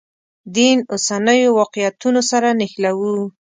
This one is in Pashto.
دین اوسنیو واقعیتونو سره نښلوو.